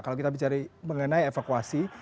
kalau kita bicara mengenai evakuasi